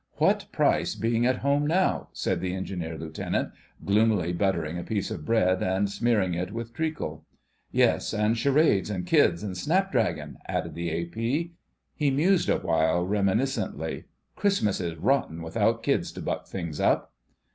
"What price being at home now?" said the Engineer Lieutenant, gloomily buttering a piece of bread and smearing it with treacle. "Yes, and charades, and kids, and snapdragon," added the A.P. He mused awhile reminiscently. "Christmas is rotten without kids to buck things up."